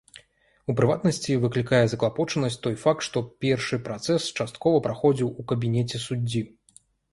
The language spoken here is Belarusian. У прыватнасці, выклікае заклапочанасць той факт, што першы працэс часткова праходзіў у кабінеце суддзі.